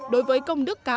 đối với công đức cao